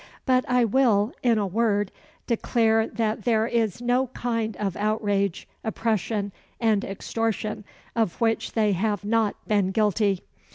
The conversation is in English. But I will, in a word, declare that there is no kind of outrage, oppression, and extortion of which they have not been guilty.